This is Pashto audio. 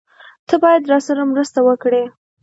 تۀ باید راسره مرسته وکړې!